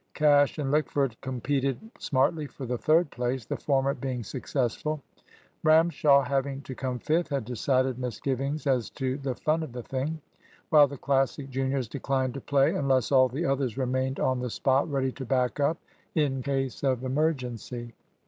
Cash and Lickford competed smartly for the third place, the former being successful. Ramshaw, having to come fifth, had decided misgivings as to the fun of the thing; while the Classic juniors declined to play unless all the others remained on the spot ready to back up in case of emergency.